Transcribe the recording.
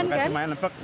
dikasih mainan kan